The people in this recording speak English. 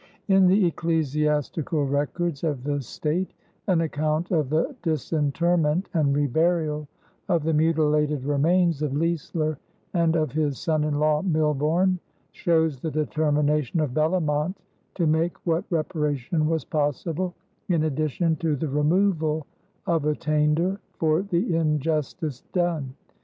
In the Ecclesiastical Records of the State an account of the disinterment and reburial of the mutilated remains of Leisler and of his son in law Milborne shows the determination of Bellomont to make what reparation was possible, in addition to the removal of attainder, for the injustice done.